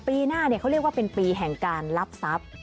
ปีหน้าเขาเรียกว่าเป็นปีแห่งการรับทรัพย์